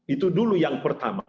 itu dulu yang pertama